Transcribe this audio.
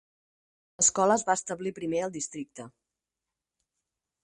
L'escola es va establir primer al districte.